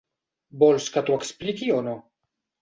Vols que t'ho expliqui o no?